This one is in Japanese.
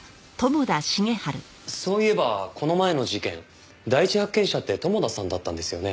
そういえばこの前の事件第一発見者って友田さんだったんですよね？